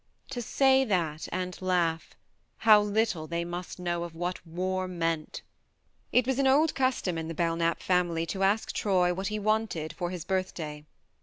To say that, and laugh, how little they must know of what war meant ! THE MARNE 57 It was an old custom in the Belknap family to ask Troy what he wanted for his birthday.